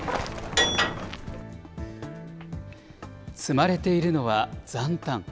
積まれているのは残反。